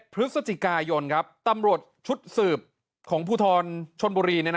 ๑๑พฤศจิกายนตำรวจชุดสืบของผู้ทรชนบุรี